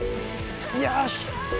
よし！